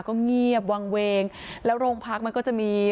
ก็เงียบวางเวงแล้วโรงพักมันก็จะมี